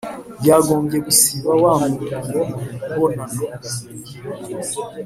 yagombye gusiba wa mubonano